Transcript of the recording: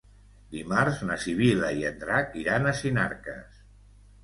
Dimarts na Sibil·la i en Drac iran a Sinarques.